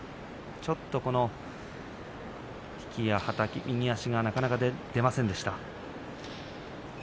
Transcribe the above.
ちょっと引きや、はたき右足が出ませんでした。